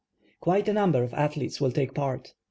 Quite a number of athletes will take part.